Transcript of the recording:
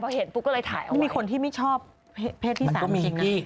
เพราะเห็นปุ๊บก็เลยถ่ายเอาไว้มีคนที่ไม่ชอบเพชรที่สามจริงนะ